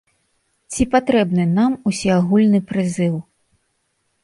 Ці патрэбны нам усеагульны прызыў?